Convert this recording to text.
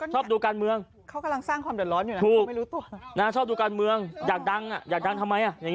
ชอบดูการเมืองถูกนะชอบดูการเมืองอยากดังทำไมอยากดังทำไม